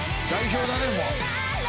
代表だね。